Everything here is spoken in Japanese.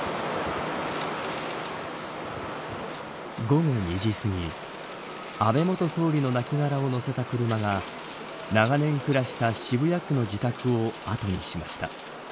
午後２時すぎ安倍元総理の亡きがらを乗せた車が長年暮らした渋谷区の自宅を後にしました。